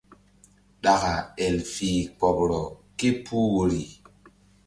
Ɗaka el fih kpoɓrɔ ke puh woyri.